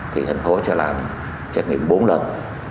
thì tp hcm sẽ làm xét nghiệm bốn lần